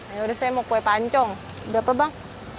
ya udah saya mau kue pancong berapa bang